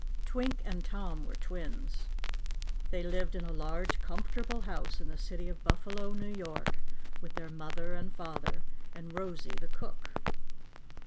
Twink and Tom were twins. They lived in a large, comfortable house in the city of Buffalo, New York, with their Mother and Father and Rosie the cook.